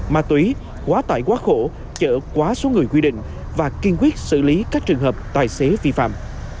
ma túy quá tải quá khổ chở quá số người quy định và kiên quyết xử lý các trường hợp tài xế vi phạm